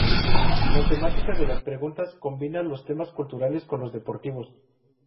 La temática de las preguntas combina los temas culturales con los deportivos.